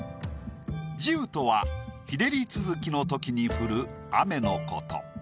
慈雨とは日照り続きの時に降る雨のこと。